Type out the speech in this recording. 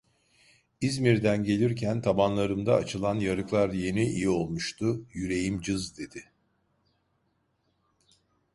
İzmir'den gelirken tabanlarımda açılan yarıklar yeni iyi olmuştu, yüreğim cız dedi.